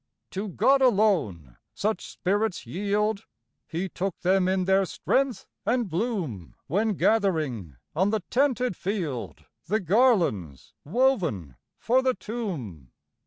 To God alone such spirits yield! He took them in their strength and bloom, When gathering, on the tented field, The garlands woven for the tomb.